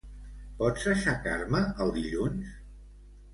Pots aixecar-me el dilluns?